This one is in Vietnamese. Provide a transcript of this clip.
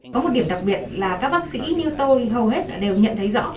có một điểm đặc biệt là các bác sĩ như tôi hầu hết đều nhận thấy rõ